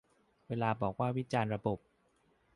เวลาบอกว่าวิจารณ์ "ระบบ"